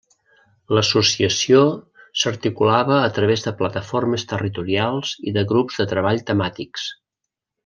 L'associació s'articulava a través de plataformes territorials i de grups de treball temàtics.